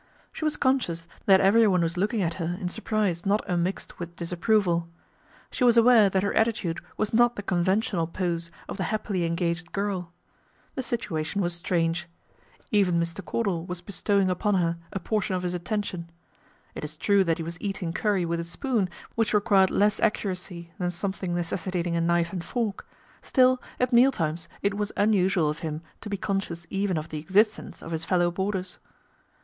She was conscious that everyone was looking at her in surprise not unmixed with disapproval. She was aware that her attitude was not the con ventional pose of the happily engaged girl. The situation was strange. Even Mr. Cordal was 48 PATRICIA BRENT, SPINSTER bestowing upon her a portion of his attention. It is true that he was eating curry with a spoon, which required less accuracy than something necessitating a knife and fork ; still at meal times it was unusual of him to be conscious even of the existence of his fellow boarders.